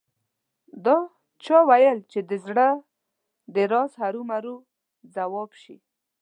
دا چا ویل چې د زړه د راز هرو مرو ځواب شي